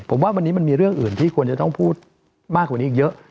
ผมว่าวันนี้มันมีเรื่องอื่นที่ควรจะต้องพูดมากกว่านี้อีกเยอะ